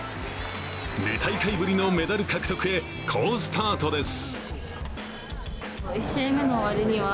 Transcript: ２大会ぶりのメダル獲得へ、好スタートです。